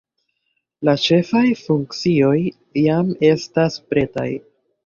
La ĉefaj funkcioj jam estas pretaj.